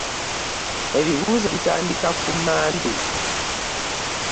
Ebibuuzo bitandika ku mmande.